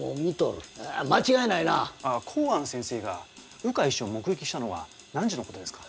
幸庵先生が鵜飼氏を目撃したのは何時の事ですか？